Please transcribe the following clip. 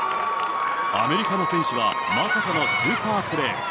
アメリカの選手がまさかのスーパープレー。